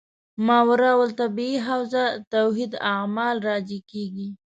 ماورا الطبیعي حوزه توحید اعمال راجع کېږي.